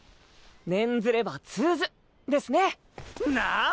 念ずれば通ずですね。なぁ？